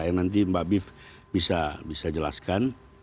yang nanti mbak biv bisa jelaskan